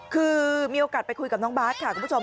คือมีโอกาสไปคุยกับน้องบาทค่ะคุณผู้ชม